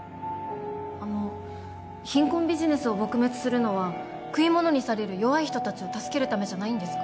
あの貧困ビジネスを撲滅するのは食いものにされる弱い人達を助けるためじゃないんですか？